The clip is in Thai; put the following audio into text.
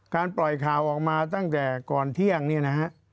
ปล่อยข่าวออกมาตั้งแต่ก่อนเที่ยงเนี่ยนะฮะ